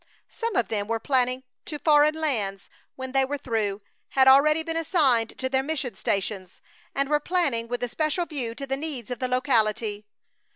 Some of them were going to foreign lands when they were through, had already been assigned to their mission stations, and were planning with a special view to the needs of the locality.